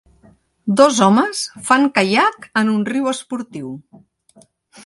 Dos homes fan caiac en un riu esportiu.